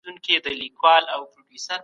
موږ مېلمانه يو.